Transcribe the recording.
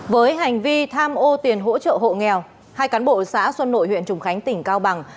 với hành vi tham ô tiền hỗ trợ hộ nghèo hai cán bộ xã xuân nội huyện trùng khánh tỉnh cao bằng